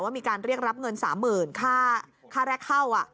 มีการเรียกรับเงิน๓๐๐๐ค่าแรกเข้า